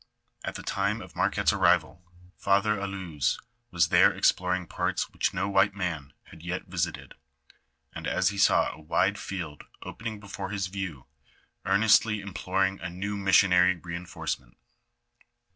At the time of Marquette's arrival, Father Allouez was there exploring parts which no white man had yet visited, and as he saw a wide field opening before his view, earnestly im ploring a new missionary reinforcement.